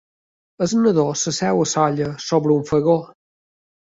El nadó s'asseu a l'olla sobre un fogó.